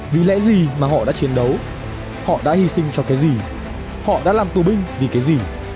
vì lẽ gì mà họ đã chiến đấu họ đã hy sinh cho cái gì họ đã làm tù binh vì cái gì